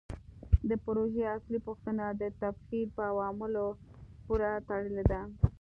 د پروژې اصلي پوښتنه د تبخیر په عواملو پورې تړلې ده.